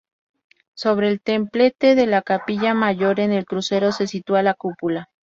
Sobre el templete de la capilla mayor, en el crucero, se sitúa la cúpula.